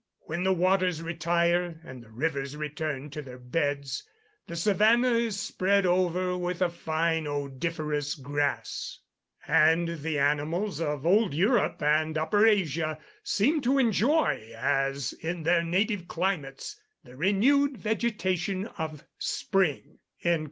When the waters retire, and the rivers return into their beds, the Savannah is spread over with a fine odoriferous grass; and the animals of old Europe and Upper Asia seem to enjoy, as in their native climates the renewed vegetation of spring."